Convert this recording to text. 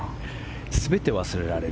全て忘れられる。